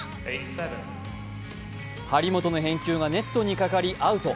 張本の返球がネットにかかり合うと。